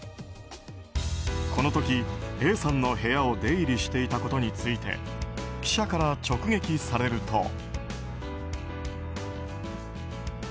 この時、Ａさんの部屋を出入りしていたことについて記者から直撃されると。